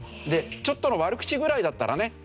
ちょっとの悪口ぐらいだったらね